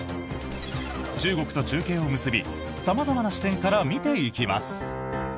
中国と中継を結び様々な視点から見ていきます。